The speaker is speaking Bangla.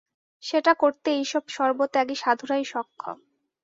সেটা করতে এইসব সর্বত্যাগী সাধুরাই সক্ষম।